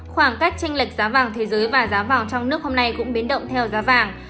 khoảng cách tranh lệch giá vàng thế giới và giá vàng trong nước hôm nay cũng biến động theo giá vàng